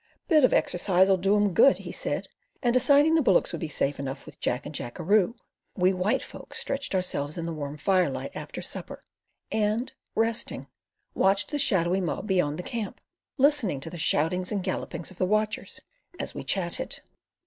"Bit of exercise'll do 'em good," he said; and deciding the bullocks would be safe enough with Jack and Jackeroo, we white folk stretched ourselves in the warm firelight after supper, and, resting, watched the shadowy mob beyond the camp, listening to the shoutings and gallopings of the watchers as we chatted.